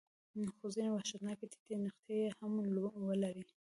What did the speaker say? خو ځینې وحشتناکې ټیټې نقطې یې هم ولرلې.